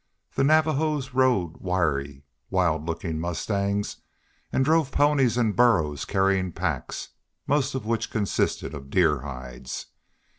The Navajos rode wiry, wild looking mustangs and drove ponies and burros carrying packs, most of which consisted of deer hides.